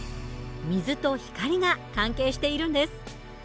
水と光が関係しているんです。